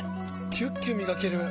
キュッキュ磨ける！